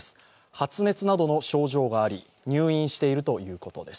発熱などの症状があり入院しているということです。